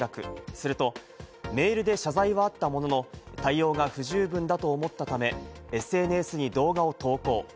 するとメールで謝罪はあったものの、対応が不十分だと思ったため、ＳＮＳに動画を投稿。